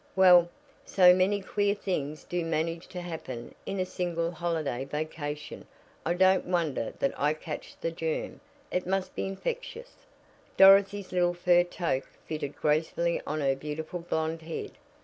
"Well, so many queer things do manage to happen in a single holiday vacation I don't wonder that I catch the germ; it must be infectious." Dorothy's little fur toque fitted gracefully on her beautiful blonde head.